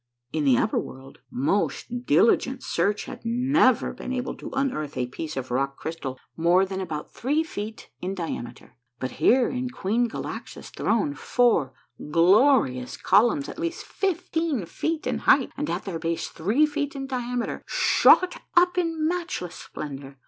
In the upper world most diligent search had never been able to unearth a piece of rock crystal more than about three feet in diameter; but here in Queen Galaxa's throne four glorious columns at least fifteen feet in height, and at their base three feet in diameter, shot up in matchless splendor.